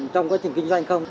trong quá trình kinh doanh không